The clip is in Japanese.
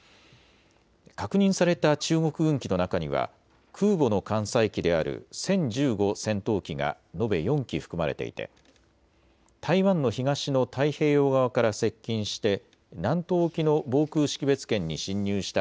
確認された中国軍機の中には空母の艦載機である殲１５戦闘機が延べ４機含まれていて台湾の東の太平洋側から接近して南東沖の防空識別圏に進入した